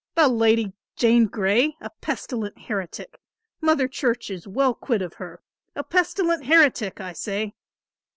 "The Lady Jane Grey, a pestilent heretic! Mother Church is well quit of her; a pestilent heretic, I say!